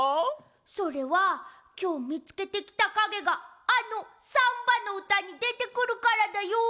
それはきょうみつけてきたかげがあのサンバのうたにでてくるからだよ！